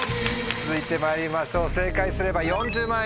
続いてまいりましょう正解すれば４０万円です。